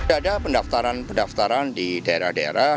ada pendaftaran pendaftaran di daerah daerah